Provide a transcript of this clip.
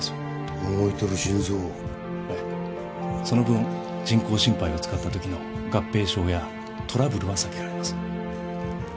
動いてる心臓をその分人工心肺を使ったときの合併症やトラブルは避けられます